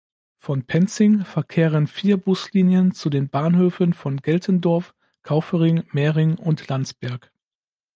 Von Penzing verkehren vier Buslinien zu den Bahnhöfen von Geltendorf, Kaufering, Mering und Landsberg.